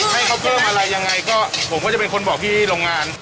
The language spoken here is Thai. ให้เขาเพิ่มอะไรยังไงก็ผมก็จะเป็นคนบอกพี่โรงงาน